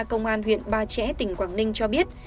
cơ quan huyện ba trẻ tỉnh quảng ninh cho biết